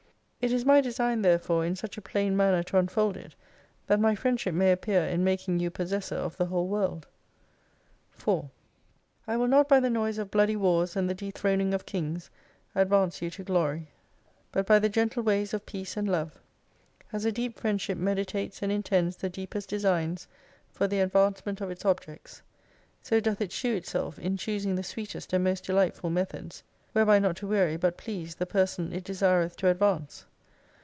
It is my design therefore in such a plain manner to unfold it that my friendship may appear in making you possessor of the whole world. 4 I will not by the noise of bloody wars and the dethroning of kings advance you to glory : but by the 4 gentle ways of peace and love. As a deep friendship meditates and intends the deepest designs for the advancement of its objects, so doth it shew itself in choosing the sweetest and most delightful methods, whereby not to weary but please the person it desireth to advance.